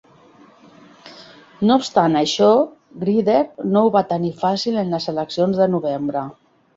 No obstant això, Grider no ho va tenir fàcil en les eleccions de novembre.